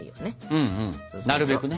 うんうんなるべくね。